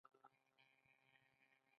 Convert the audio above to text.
په دې وروستیو کې د افغانۍ نرخ راپریوتی.